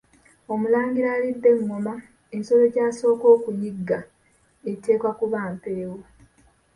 Omulangira alidde engoma ensolo gy’asookerako okuyigga eteekwa kuba mpeewo.